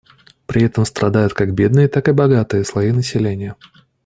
При этом страдают как бедные, так и богатые слои населения.